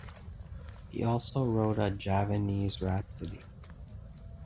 He also wrote a "Javanese Rhapsody".